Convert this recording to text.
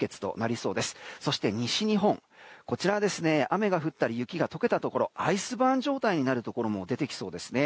そして西日本、こちらは雨が降ったり雪が解けたところがアイスバーン状態になるところも出てきそうです。